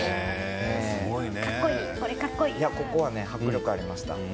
ここは迫力がありました。